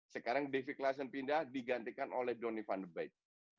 sekarang david klaassen pindah digantikan oleh donny van de beek